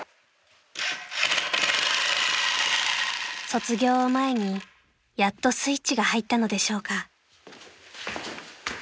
［卒業を前にやっとスイッチが入ったのでしょうか？］